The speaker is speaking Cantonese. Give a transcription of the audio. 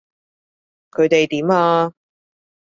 佢哋點啊？